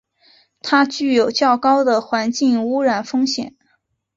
它具有较高的环境污染风险。